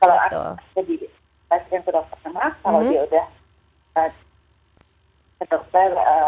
kalau dia sudah ke dokter